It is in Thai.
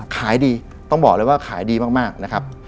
ขายดีต้องบอกเลยว่าขายดีมากนะครับ